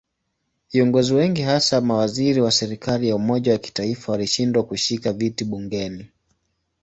Viongozi wengi hasa mawaziri wa serikali ya umoja wa kitaifa walishindwa kushika viti bungeni.